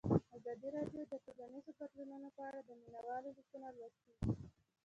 ازادي راډیو د ټولنیز بدلون په اړه د مینه والو لیکونه لوستي.